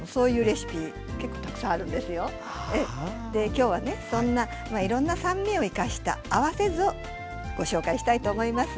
今日はねそんないろんな酸味を生かした合わせ酢をご紹介したいと思います。